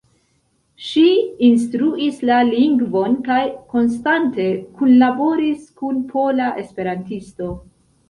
Ŝi instruis la lingvon kaj konstante kunlaboris kun Pola Esperantisto.